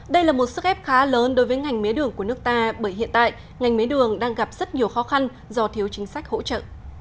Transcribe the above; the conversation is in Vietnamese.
đây là một sức ép khá lớn đối với ngành mía đường của nước ta bởi hiện tại ngành mía đường đang gặp rất nhiều khó khăn do thiếu chính sách hỗ trợ